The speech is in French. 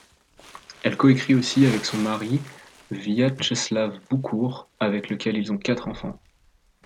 Elle coécrit aussi avec son mari Vyatcheslav Boukour avec lequel ils ont quatre enfants.